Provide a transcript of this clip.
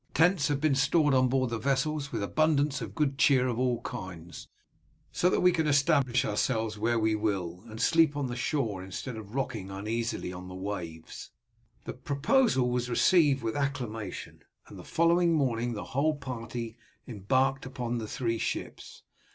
Tents have been stored on board the vessels, with abundance of good cheer of all kinds, so that we can establish ourselves where we will, and sleep on shore instead of rocking uneasily on the waves." The proposal was received with acclamation, and the following morning the whole party embarked upon the three ships.